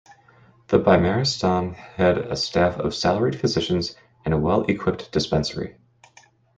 The bimaristan had a staff of salaried physicians and a well equipped dispensary.